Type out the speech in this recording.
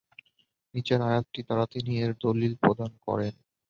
নিচের আয়াতটি দ্বারা তিনি এর দলীল প্রদান করেন।